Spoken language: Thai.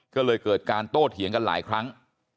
ก็เลยเกิดการโต้เถียงกันหลายครั้ง